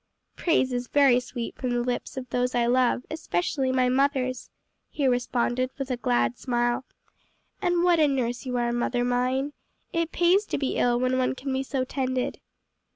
"Praise is very sweet from the lips of those I love; especially my mother's," he responded, with a glad smile. "And what a nurse you are, mother mine! it pays to be ill when one can be so tended."